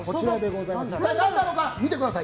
一体何なのか見てください。